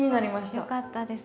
よかったです。